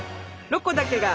「ロコだけが」。